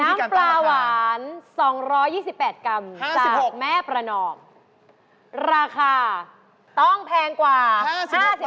น้ำปลาหวาน๒๒๘กรัม๑๖แม่ประนอมราคาต้องแพงกว่า๕๐บาท